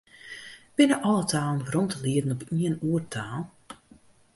Binne alle talen werom te lieden op ien oertaal?